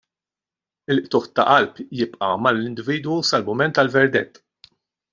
Il-qtugħ ta' qalb jibqa' mal-individwu sal-mument tal-verdett.